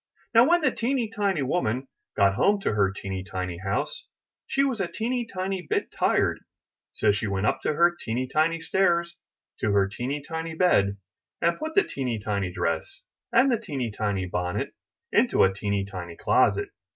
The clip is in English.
Now when the teeny tiny woman got home to her teeny tiny house, she was a teeny tiny bit tired; so she went up her teeny tiny stairs to her teeny tiny bed, and put the teeny tiny dress and the teeny tiny bonnet into a teeny tiny closet.